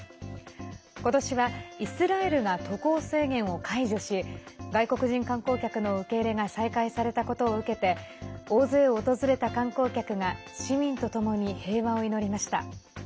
今年は、イスラエルが渡航制限を解除し外国人観光客の受け入れが再開されたことを受けて大勢訪れた観光客が市民とともに平和を祈りました。